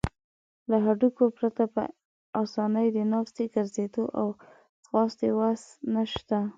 له هډوکو پرته په آسانۍ د ناستې، ګرځیدلو او ځغاستې وسه نشته.